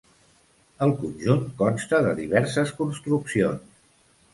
El conjunt consta de diverses construccions.